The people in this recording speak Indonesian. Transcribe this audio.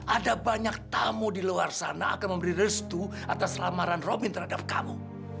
ada banyak tamu di luar sana akan memberi restu atas lamaran robin terhadap kamu